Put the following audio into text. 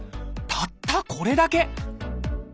たったこれだけ！